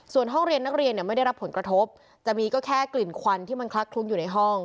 ส่วนห้องเรียนนักเรียนเนี่ยไม่ได้รับผลกระทบจะมีก็แค่กลิ่นควันที่มันคลักคลุ้งอยู่ในห้อง